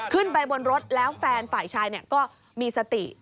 ขึ้นไปบนรถแล้วแฟนฝ่ายชายก็มีสติ